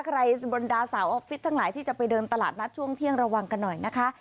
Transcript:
บรรดาสาวออฟฟิศทั้งหลายที่จะไปเดินตลาดนัดช่วงเที่ยงระวังกันหน่อยนะคะ